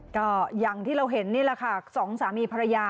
ก็อย่างที่เราเห็นนี่แหละค่ะสองสามีภรรยา